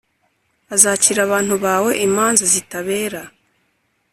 azacira abantu bawe imanza zitabera,